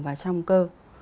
và trong cơ